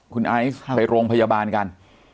คุณไอซ์ไปโรงพยาบาลกัน